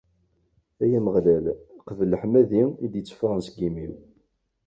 Ay Ameɣlal, qbel leḥmadi i d-itteffɣen seg yimi-w.